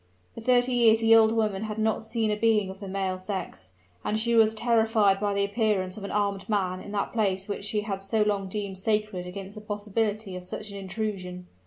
For thirty years the old woman had not seen a being of the male sex; and she was terrified by the appearance of an armed man in that place which she had so long deemed sacred against the possibility of such an intrusion.